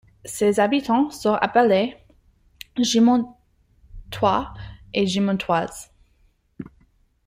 Ses habitants sont appelés Gimontois et Gimontoises.